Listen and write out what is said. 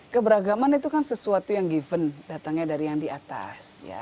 keberagaman itu kan sesuatu yang given datangnya dari yang di atas